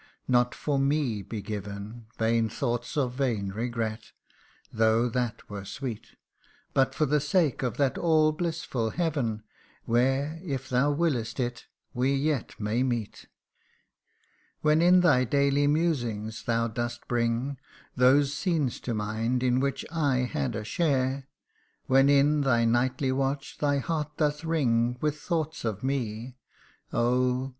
not for me be given Vain thoughts of vain regret, though that were sweet ; But for the sake of that all blissful Heaven, Where, if thou wiliest it, we yet may meet. When in thy daily musing thou dost bring Those scenes to mind, in which I had a share ; When in thy nightly watch thy heart doth wring With thought of me oh